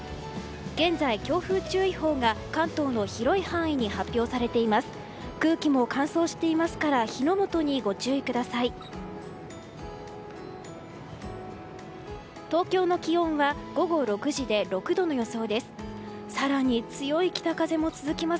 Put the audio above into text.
現在、強風注意報が関東の広い範囲に発表されています。